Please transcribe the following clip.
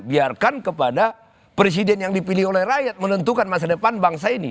biarkan kepada presiden yang dipilih oleh rakyat menentukan masa depan bangsa ini